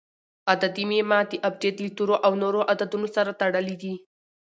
عددي معما د ابجد له تورو او نورو عددونو سره تړلي دي.